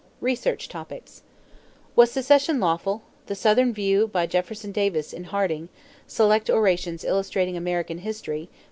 =Research Topics= =Was Secession Lawful?= The Southern view by Jefferson Davis in Harding, Select Orations Illustrating American History, pp.